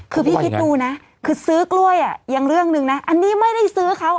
คือพี่คิดดูนะคือซื้อกล้วยอ่ะยังเรื่องหนึ่งนะอันนี้ไม่ได้ซื้อเขา